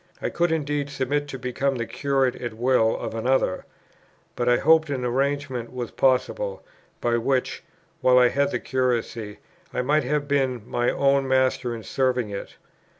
I could indeed submit to become the curate at will of another, but I hoped an arrangement was possible, by which, while I had the curacy, I might have been my own master in serving it.